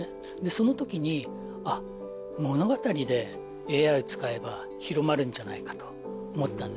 そのときに「あっ物語でＡｉを使えば広まるんじゃないかと思ったんです。